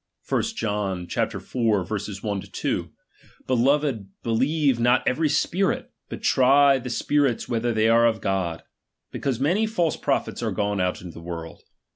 I John iv. 1 2 : Beloved, believe not every spirit, but try the spirits whether they are of God ; because many false prophets are gone out into the world.